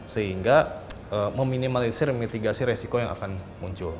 sehingga meminimalisir memitigasi resiko yang akan muncul